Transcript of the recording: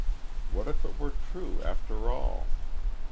What if it were true after all?